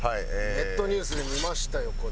ネットニュースで見ましたよこれ。